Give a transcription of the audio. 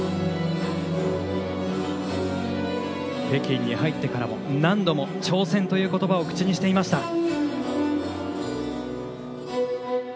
北京に入ってからも何度も挑戦という言葉を口にしていました。